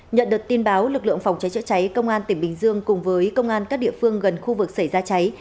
nhận được tin báo lực lượng phòng cháy chữa cháy công an tỉnh bình dương cùng với công an các địa phương gần khu vực xảy ra cháy